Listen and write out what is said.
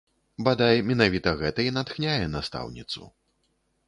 Бадай, менавіта гэта і натхняе настаўніцу.